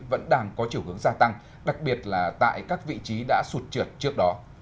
vẫn đang có chiều hướng gia tăng đặc biệt là tại các vị trí đã sụt trượt trước đó